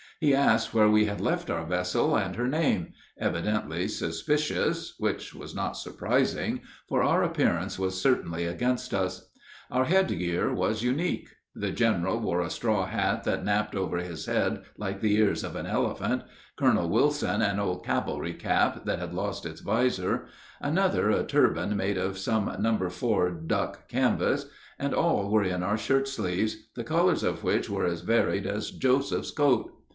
He asked where we had left our vessel, and her name, evidently suspicious, which was not surprising, for our appearance was certainly against us. Our head gear was unique: the general wore a straw hat that napped over his head like the ears of an elephant; Colonel Wilson, an old cavalry cap that had lost its visor; another, a turban made of some number 4 duck canvas; and all were in our shirt sleeves, the colors of which were as varied as Joseph's coat.